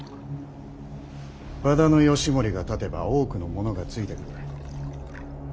和田義盛が立てば多くの者がついてくる。